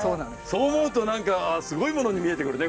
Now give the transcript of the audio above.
そう思うと何かすごいものに見えてくるね